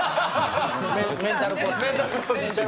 メンタルコーチ。